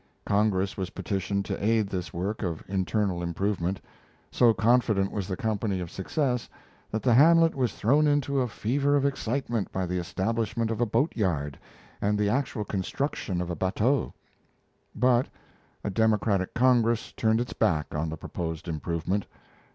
Congress was petitioned to aid this work of internal improvement. So confident was the company of success that the hamlet was thrown into a fever of excitement by the establishment of a boatyard and, the actual construction of a bateau; but a Democratic Congress turned its back on the proposed improvement.